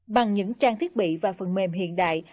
bằng những trang thiết bị và phần mềm hiện đại